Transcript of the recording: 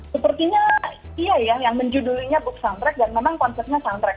sepertinya iya ya yang menjudulnya book soundtrack dan memang konsepnya soundtrack